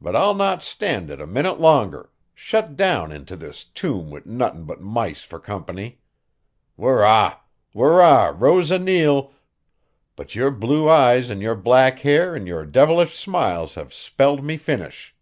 But I'll not stand it a minute longer, shut down into this tomb wit' nothin' but mice fer comp'ny. Wurra! Wurra! Rose O'Neil, but your blue eyes an' your black hair an' your divilish smiles have spelled me finish."